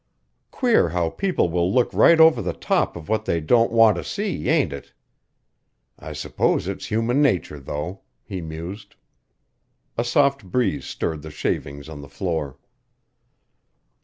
Queer how people will look right over the top of what they don't want to see, ain't it? I s'pose its human nature though," he mused. A soft breeze stirred the shavings on the floor.